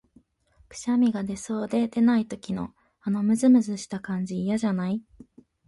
くしゃみが出そうで出ない時の、あのむずむずした感じ、嫌じゃない？